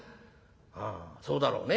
「ああそうだろうね。